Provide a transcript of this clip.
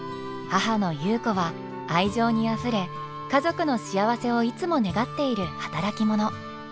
母の優子は愛情にあふれ家族の幸せをいつも願っている働き者。